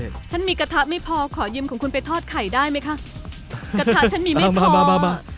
กระทะฉนมีกระทะไม่พอขอยิมของคุณไปทอดไข่ได้ไหมคะ